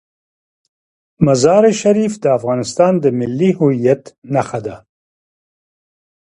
مزارشریف د افغانستان د ملي هویت نښه ده.